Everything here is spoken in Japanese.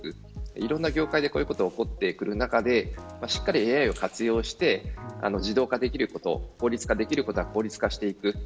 いろいろな業界でこういうことが起こってくる中でＡＩを活用して効率化できることは効率化していく。